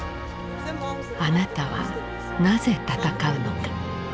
「あなたはなぜ戦うのか」。